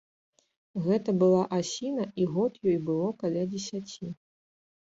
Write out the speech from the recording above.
Гэта была асіна, і год ёй было каля дзесяці.